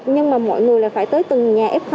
nhưng mà mọi người phải tới từng nhà f